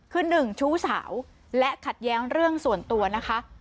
คือหนึ่งชู้สาวและขัดแย้งเรื่องส่วนตัวนะคะ